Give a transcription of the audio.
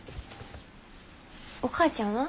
お母ちゃんは？